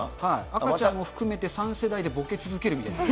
赤ちゃんを含めて、３世代でぼけ続けるみたいな。